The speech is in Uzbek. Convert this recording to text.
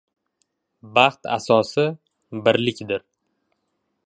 • Baxt asosi — birlikdir.